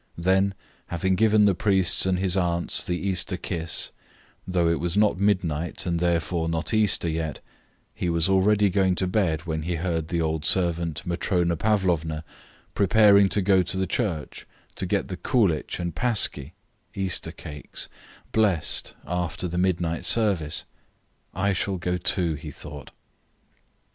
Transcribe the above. Then having given the priests and his aunts the Easter kiss, though it was not midnight and therefore not Easter yet, he was already going to bed when he heard the old servant Matrona Pavlovna preparing to go to the church to get the koulitch and paski [Easter cakes] blest after the midnight service. "I shall go too," he thought.